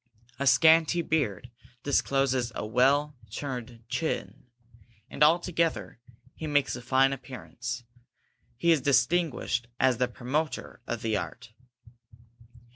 A scanty beard discloses a well turned chin, and altogether he makes a fine appearance. He is distinguished as the Promoter of the art.